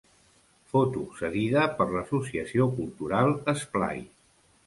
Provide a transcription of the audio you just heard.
Foto cedida per l'Associació Cultural Esplai.